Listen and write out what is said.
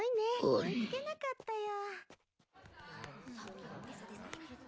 追いつけなかったよ。